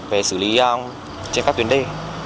về xử lý trên các tuyến đê